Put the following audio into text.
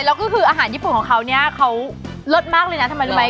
แล้วก็คืออาหารญี่ปุ่นของเขาเนี่ยเขารสมากเลยนะทำไมรู้ไหม